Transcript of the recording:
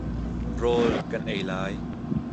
Rawl kan ei lai.